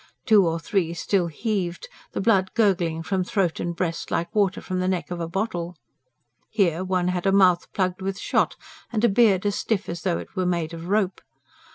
Two or three still heaved, the blood gurgling from throat and breast like water from the neck of a bottle. Here, one had a mouth plugged with shot, and a beard as stiff as though it were made of rope.